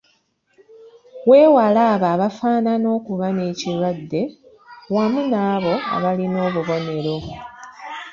Weewale abo abafaanana okuba n’ekirwadde wamu n’abo abalina obubonero.